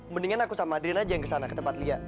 mendingan aku sama adrin aja yang kesana ke tempat lia